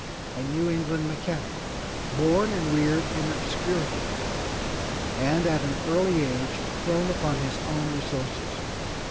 a New England mechanic, born and reared in obscurity, and at an early age thrown upon his own resources.